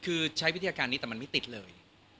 คือใช้วิธีการนี้แต่มันไม่ติดเลย